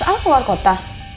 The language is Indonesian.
al keluar kota